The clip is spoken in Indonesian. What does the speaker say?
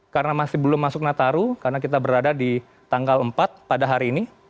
karena masih belum masuk nataru karena kita berada di tanggal empat pada hari ini